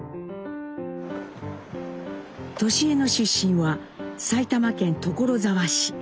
智江の出身は埼玉県所沢市。